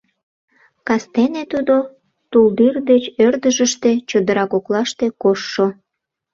Кастене тудо тулдӱр деч ӧрдыжыштӧ, чодыра коклаште, коштшо.